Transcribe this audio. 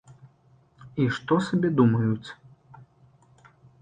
І што сабе думаюць.